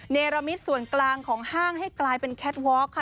เนรมิตส่วนกลางของห้างให้กลายเป็นแคทวอล์ค่ะ